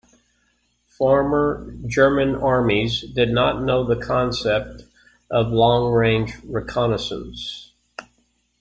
Former German armies did not know the concept of long range reconnaissance.